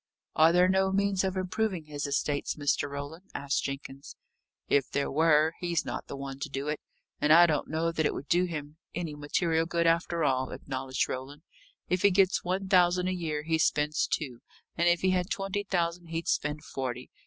"Are there no means of improving his estates, Mr. Roland?" asked Jenkins. "If there were, he's not the one to do it. And I don't know that it would do him any material good, after all," acknowledged Roland. "If he gets one thousand a year, he spends two; and if he had twenty thousand, he'd spend forty.